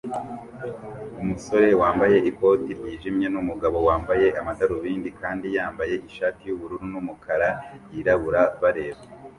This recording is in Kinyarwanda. Umusore wambaye ikoti ryijimye numugabo wambaye amadarubindi kandi yambaye ishati yubururu numukara yirabura bareba